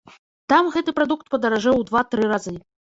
Там гэты прадукт падаражэў у два-тры разы.